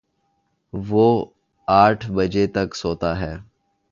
وہ آٹھ بجے تک سوتا ہے